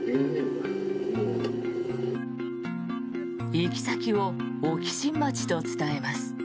行き先を沖新町と伝えます。